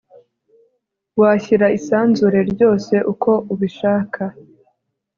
Washyira isanzure ryose uko ubishaka